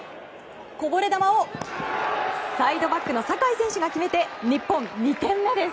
こぼれ球をサイドバックの酒井選手が決めて日本２点目です。